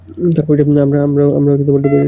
আহ, আমরা ডুবে যাচ্ছি।